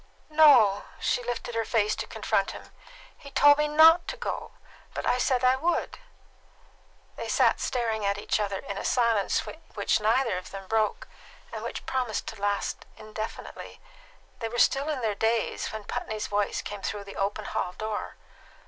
"No;" she lifted her face to confront him. "He told me not to go; but I said I would." They sat staring at each other in a silence which neither of them broke, and which promised to last indefinitely. They were still in their daze when Putney's voice came through the open hall door.